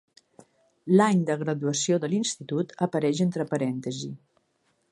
L"any de graduació de l"institut apareix entre parèntesi.